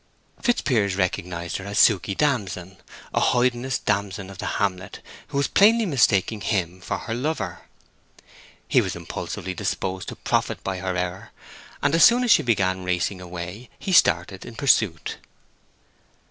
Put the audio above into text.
Fitzpiers recognized her as Suke Damson, a hoydenish damsel of the hamlet, who was plainly mistaking him for her lover. He was impulsively disposed to profit by her error, and as soon as she began racing away he started in pursuit.